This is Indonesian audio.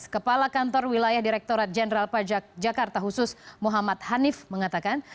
kepala kantor wilayah direkturat jenderal pajak jakarta khusus muhammad hanif mengatakan